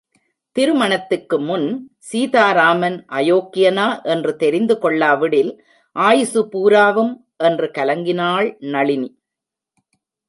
திருமணத்துக்கு முன் சீதாராமன் அயோக்கியனா என்று தெரிந்து கொள்ளாவிடில் ஆயுசு பூராவும்...? என்று கலங்கினாள் நளினி.